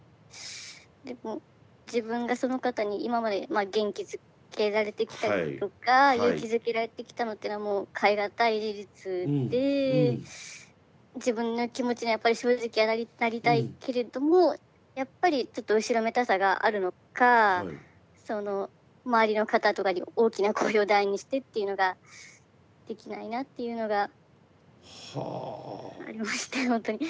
でも自分がその方に今まで元気づけられてきたりとか勇気づけられてきたのってのはもう変えがたい事実で自分の気持ちにはやっぱり正直にはなりたいけれどもやっぱりちょっと後ろめたさがあるのか周りの方とかに大きな声を大にしてっていうのができないなっていうのがありましてほんとに。